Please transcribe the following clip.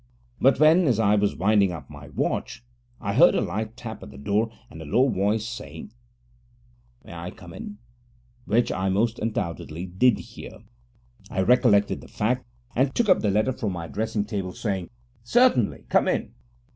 But when, as I was winding up my watch, I heard a light tap at the door, and a low voice saying, 'May I come in?' (which I most undoubtedly did hear), I recollected the fact, and took up the letter from my dressing table, saying, 'Certainly: come in.'